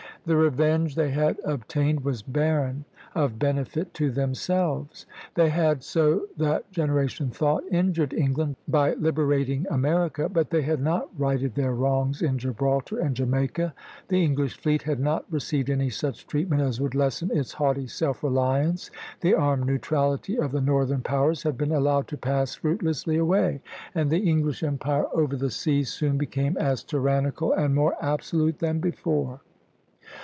The revenge they had obtained was barren of benefit to themselves. They had, so that generation thought, injured England by liberating America; but they had not righted their wrongs in Gibraltar and Jamaica, the English fleet had not received any such treatment as would lessen its haughty self reliance, the armed neutrality of the northern powers had been allowed to pass fruitlessly away, and the English empire over the seas soon became as tyrannical and more absolute than before.